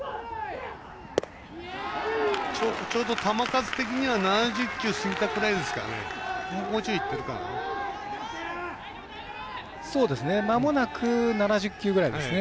ちょうど球数的には７０球過ぎたぐらいですかね。